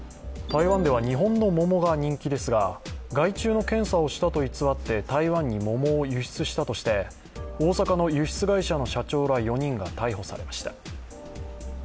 台湾では日本の桃が人気ですが害虫の検査をしたと偽って台湾に桃を輸出したとして大阪の輸出会社の社長ら４人が逮捕されました。